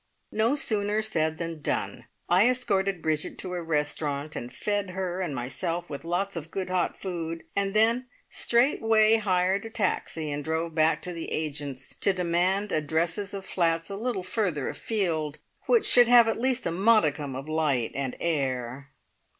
No sooner said than done! I escorted Bridget to a restaurant, and fed her and myself with lots of good hot food, and then straightway hired a taxi, and drove back to the agents to demand addresses of flats a little further afield, which should have at least a modicum of light and air.